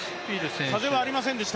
風はありませんでした。